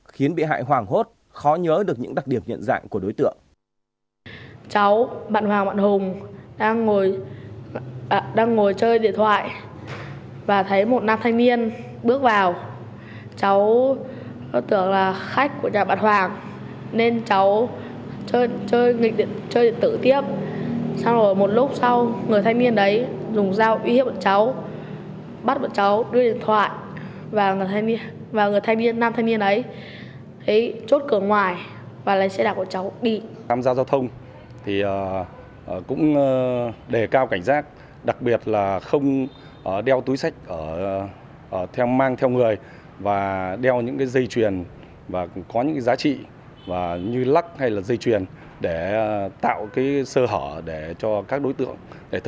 khiến bị hại hoàng hốt khó nhớ được những đặc điểm nhận dạng của đối tượng